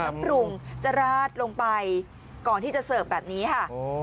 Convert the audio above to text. ปรุงจะราดลงไปก่อนที่จะเสิร์ฟแบบนี้ค่ะ